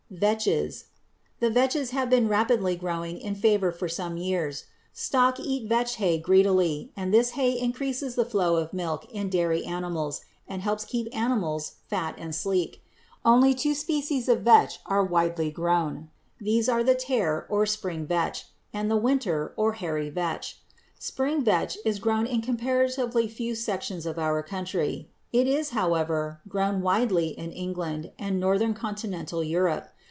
=Vetches.= The vetches have been rapidly growing in favor for some years. Stock eat vetch hay greedily, and this hay increases the flow of milk in dairy animals and helps to keep animals fat and sleek. Only two species of vetch are widely grown. These are the tare, or spring vetch, and the winter, or hairy, vetch. Spring vetch is grown in comparatively few sections of our country. It is, however, grown widely in England and northern continental Europe.